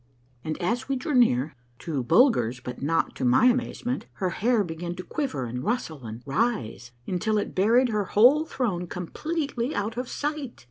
And as we drew near, to Bulger's but not to my amazement, her hair began to quiver and rustle and rise, until it buried her whole throne completely out of sight.